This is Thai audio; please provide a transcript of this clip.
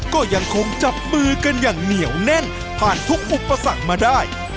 ก็ยังคงจับมือกันอย่างเหนียวแน่นผ่านทุกอุปสรรคมาได้